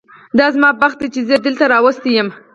دا زما بد بخت دی چې زه یې دلته راوستی یم.